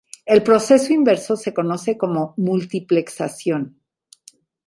El proceso inverso se conoce como multiplexación.